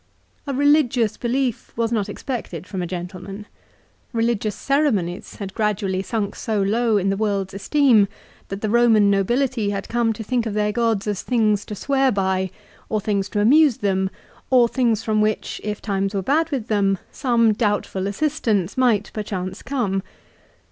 A religious belief was not expected from a gentleman. Eeligious ceremonies had gradually sunk so low in the world's esteem that the Roman nobility had come to think of their gods as things to swear by, or things to amuse them, or things from which, if times were bad with them, some doubtful assistance might perchance come.